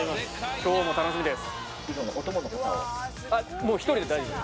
今日も楽しみです。